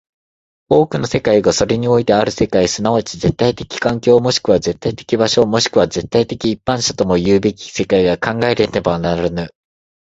多くの世界がそれにおいてある世界即ち絶対的環境、もしくは絶対的場所、もしくは絶対的一般者ともいうべき世界が考えられねばならぬ。